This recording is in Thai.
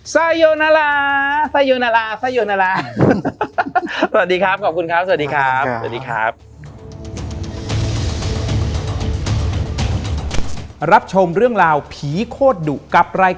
สวัสดีครับขอบคุณครับสวัสดีครับ